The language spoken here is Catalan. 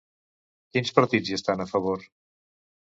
Quins partits hi estan a favor?